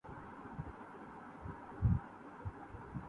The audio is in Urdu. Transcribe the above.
قطرہٴ مے بسکہ حیرت سے نفس پرور ہوا